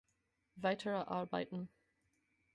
Weitere Arbeiten